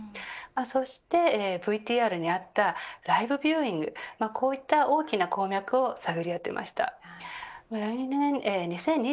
そして、ＶＴＲにあったライブビューイング、こういった大きな鉱脈を探り当てました。